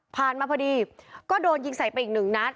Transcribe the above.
มาพอดีก็โดนยิงใส่ไปอีกหนึ่งนัด